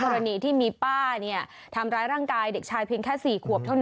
เมื่อวันนี้ที่มีป้าเนี่ยทำร้ายร่างกายเด็กชายเพียงแค่สี่ขวบเท่านั้น